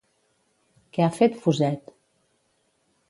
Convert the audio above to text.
Què ha fet Fuset?